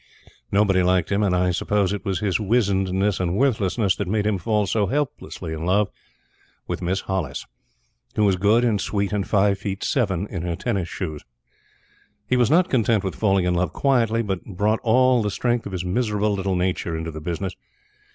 Nobody liked him, and, I suppose, it was his wizenedness and worthlessness that made him fall so hopelessly in love with Miss Hollis, who was good and sweet, and five foot seven in her tennis shoes. He was not content with falling in love quietly, but brought all the strength of his miserable little nature into the business.